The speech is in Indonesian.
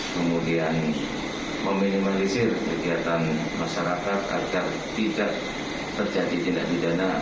kemudian meminimalisir kegiatan masyarakat agar tidak terjadi tindak pidana